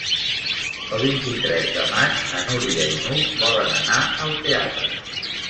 El vint-i-tres de maig na Núria i n'Hug volen anar al teatre.